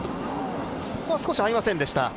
ここは少し合いませんでした